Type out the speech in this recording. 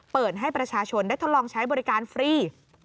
เปิดให้ประชาชนได้ทดลองใช้บริการฟรี